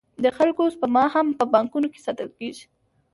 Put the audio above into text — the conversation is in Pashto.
د خلکو سپما هم په بانکونو کې ساتل کېږي